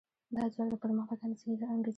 دا ځواک د پرمختګ انګېزه ده.